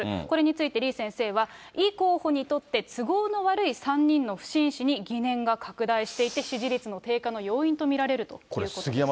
これについて李先生は、イ候補にとって都合の悪い３人の不審死に疑念が拡大していて、支持率の低下の要因と見られるということです。